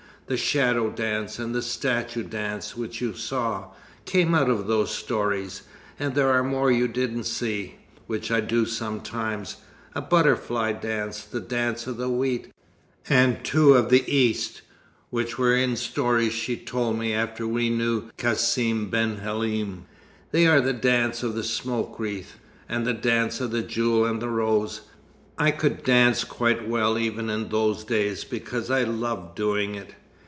The Shadow Dance and the Statue Dance which you saw, came out of those stories, and there are more you didn't see, which I do sometimes a butterfly dance, the dance of the wheat, and two of the East, which were in stories she told me after we knew Cassim ben Halim. They are the dance of the smoke wreath, and the dance of the jewel and the rose. I could dance quite well even in those days, because I loved doing it.